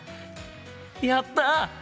やった！